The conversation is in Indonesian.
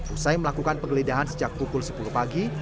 usai melakukan penggeledahan sejak pukul sepuluh pagi